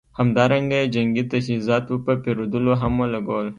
همدارنګه یې جنګي تجهیزاتو په پېرودلو هم ولګول.